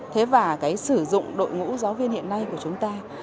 thế và cái sử dụng đội ngũ giáo viên hiện nay của chúng ta